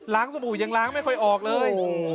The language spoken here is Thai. ล้างสุปุฏิยังล้างไม่ค่อยออกเลย